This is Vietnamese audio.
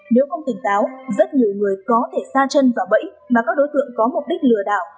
nếu không tỉnh táo rất nhiều người có thể sa chân vào bẫy mà các đối tượng có mục đích lừa đảo